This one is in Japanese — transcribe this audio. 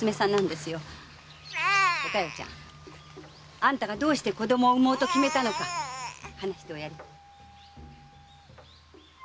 あんたがどうして子供を産もうと決めたのか話しておやりよ。